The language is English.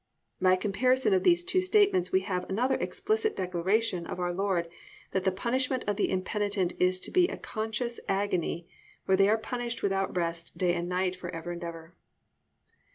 "+ By a comparison of these two statements we have another explicit declaration of our Lord that the punishment of the impenitent is to be a conscious agony, where they are punished without rest day and night for ever and ever.